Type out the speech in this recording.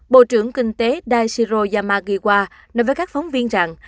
bộ trưởng kinh tế daciro yamagiwa nói với các phóng viên rằng